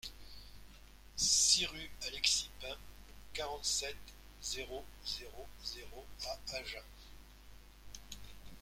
six rue Alexis Pain, quarante-sept, zéro zéro zéro à Agen